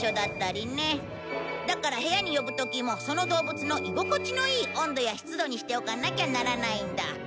だから部屋に呼ぶ時もその動物の居心地のいい温度や湿度にしておかなきゃならないんだ。